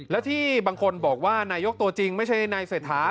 และที่บางคนบอกว่านายกตัวจริงไม่ใช่นายเศรษฐา